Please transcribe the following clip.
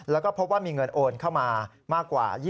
แล้วก็พบว่ามีเงินโอนเข้ามามากกว่า